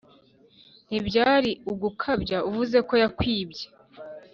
ntibyaba ari ugukabya uvuze ko yakwibye